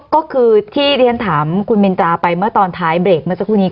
ก็คือที่เรียนถามคุณมินตราไปเมื่อตอนท้ายเบรกเมื่อสักครู่นี้